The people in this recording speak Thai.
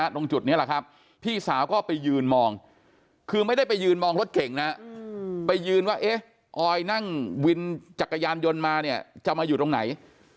ตรงจุดนี้แหละครับพี่สาวก็ไปยืนมองคือไม่ได้ไปยืนมองรถเก่งนะไปยืนว่าเอ๊ะออยนั่งวินจักรยานยนต์มาเนี่ยจะมาอยู่ตรงไหน